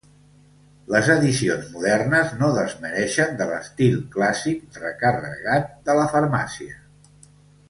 Les addicions modernes no desmereixen de l'estil clàssic recarregat de la farmàcia.